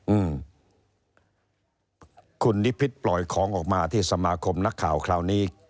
อืมคุณนิพิษปล่อยของออกมาที่สมาคมนักข่าวคราวนี้